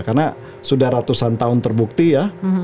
karena sudah ratusan tahun terbukti ya